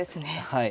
はい。